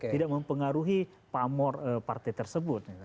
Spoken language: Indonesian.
tidak mempengaruhi pamor partai tersebut